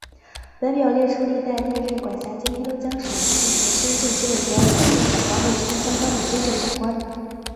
本表列出历代历任管辖今黑龙江省及其前身政区的主要行政长官或职权相当的军政长官。